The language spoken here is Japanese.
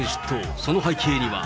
その背景には。